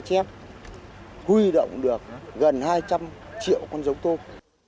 để chủ động được gần hai trăm linh triệu con dòng tôm